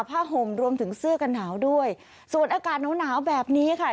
ห่มรวมถึงเสื้อกันหนาวด้วยส่วนอากาศหนาวหนาวแบบนี้ค่ะ